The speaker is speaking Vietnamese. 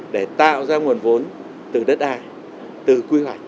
để tạo ra nguồn vốn từ đất ai từ quy hoạch